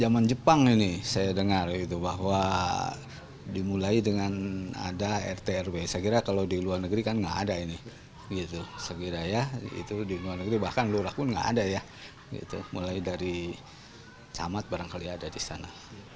mulai dari samad barangkali ada di sana